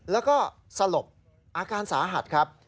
แล้วก็สลบอาการสาหัสครับ